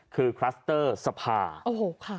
คือคลัสเตอร์สภาโอ้โหค่ะ